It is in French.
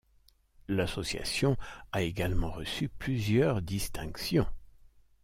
L'association a également reçu plusieurs distinctions.